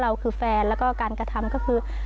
เราคือแฟนและการกระทำก็คือ